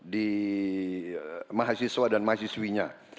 di mahasiswa dan mahasiswinya